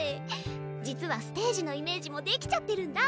実はステージのイメージも出来ちゃってるんだ。